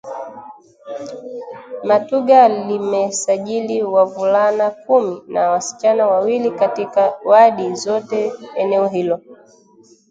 Matuga limesajili wavulana kumi na wasichana wawili katika wadi zote eneo hilo